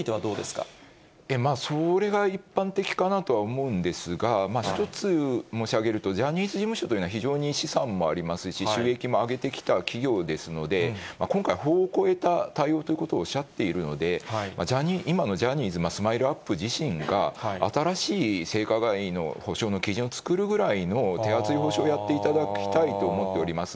まあ、それが一般的かなとは思うんですが、一つ申し上げると、ジャニーズ事務所というのは非常に資産もありますし、収益も挙げてきた企業ですので、今回、法を超えた対応ということをおっしゃっているので、今のジャニーズ、スマイルアップ自身が、新しい性加害の補償の基準を作るぐらいの手厚い補償をやっていただきたいと思っております。